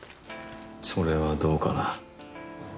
それはどうかな？